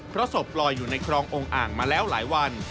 เพราะศพลอยอยู่ในคลององค์อ่างมาแล้วหลายวัน